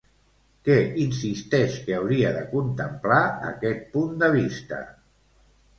Què insisteix que hauria de contemplar aquest punt de vista?